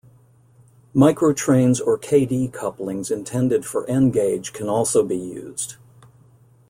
MicroTrains or Kadee couplings intended for N gauge can also been used.